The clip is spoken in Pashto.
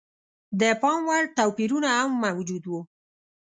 د پاموړ توپیرونه هم موجود و.